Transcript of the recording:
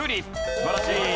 素晴らしい。